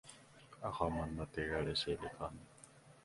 A common material is silicon.